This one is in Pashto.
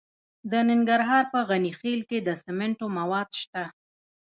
د ننګرهار په غني خیل کې د سمنټو مواد شته.